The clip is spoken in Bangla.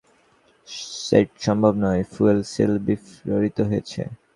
সেট সম্ভব নয়, ফুয়েল সেল বিস্ফোরিত হয়েছে।